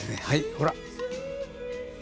はいほら。